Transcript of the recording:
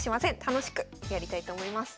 楽しくやりたいと思います。